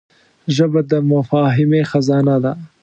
ژبه د مفاهمې خزانه ده